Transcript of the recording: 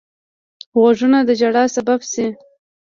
غوږونه د ژړا سبب شي